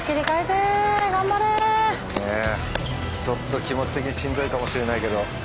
ちょっと気持ち的にしんどいかもしれないけど。